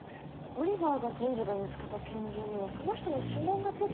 オリバーが神社で見つけた拳銃にはその人の指紋がついてたんでしょ？